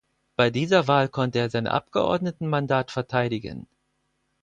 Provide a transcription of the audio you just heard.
Bei dieser Wahl konnte er sein Abgeordnetenmandat verteidigen.